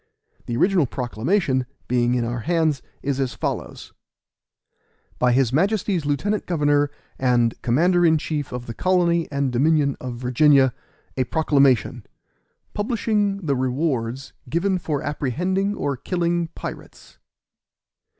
The original proclamation, being in our hands, is as follows: By his Majesty's Lieutenant Governor and Commander in Chief of the Colony and Dominion of Virginia. A PROCLAMATION, Publishing the Rewards given for apprehending or killing Pirates.